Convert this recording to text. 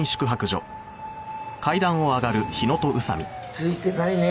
ついてないね。